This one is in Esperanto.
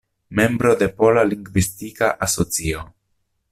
Membro de Pola Lingvistika Asocio.